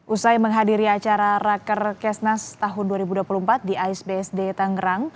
usai menghadiri acara raker kesnas tahun dua ribu dua puluh empat di asbsd tangerang